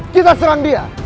kita serang dia